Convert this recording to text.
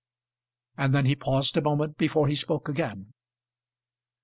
And then he paused a moment before he spoke again.